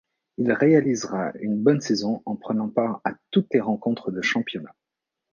Il réalisera une bonne saison en prenant part à toutes les rencontres de championnat.